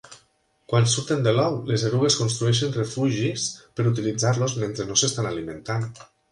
Quan surten de l'ou, les erugues construeixen refugis per utilitzar-los mentre no s'estan alimentant.